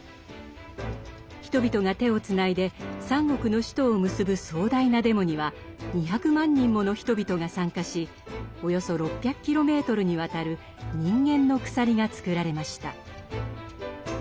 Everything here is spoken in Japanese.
人々が手をつないで三国の首都を結ぶ壮大なデモには２００万人もの人々が参加しおよそ６００キロメートルにわたる人間の鎖が作られました。